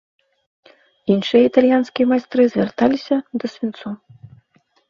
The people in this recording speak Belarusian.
Іншыя італьянскія майстры звярталіся да свінцу.